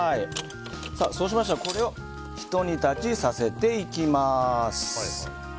そうしましたらこれをひと煮立ちさせていきます。